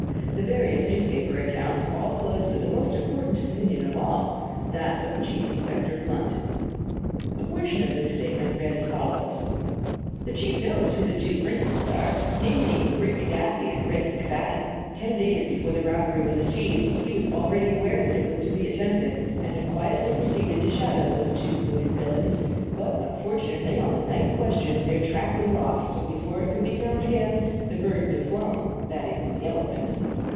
The various newspaper accounts all closed with the most important opinion of all that of Chief Inspector Blunt. A portion of this statement read as follows: The chief knows who the two principals are, namely, "Brick" Duffy and "Red" McFadden. Ten days before the robbery was achieved he was already aware that it was to be attempted, and had quietly proceeded to shadow these two noted villains; but unfortunately on the night in question their track was lost, and before it could be found again the bird was flown that is, the elephant.